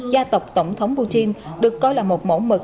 gia tộc tổng thống putin được coi là một mẫu mực